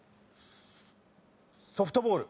ソソフトボール。